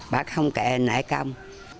bác không kệ nể công